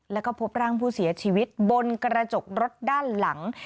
แล้วก็พบร่างผู้เสียชีวิตบนกระจกรถด้านหลัง